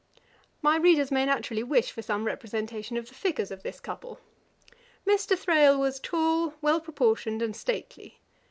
My readers may naturally wish for some representation of the figures of this couple. Mr. Thrale was tall, well proportioned, and stately.